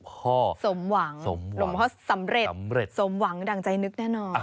สมหวังหลวงพ่อสำเร็จสำเร็จสมหวังดั่งใจนึกแน่นอน